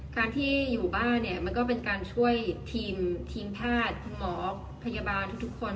การที่อยู่บ้านเนี่ยมันก็เป็นการช่วยทีมแพทย์คุณหมอพยาบาลทุกคน